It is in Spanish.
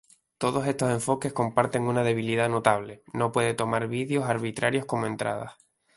Todos estos enfoques comparten una debilidad notable: no pueden tomar vídeos arbitrarios como entradas.